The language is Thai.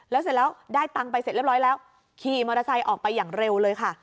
แล้วเสร็จแล้วได้ตังค์ไปเสร็จเรียบร้อยแล้วขี่มอเตอร์ไซค์ออกไปอย่างเร็วเลยค่ะ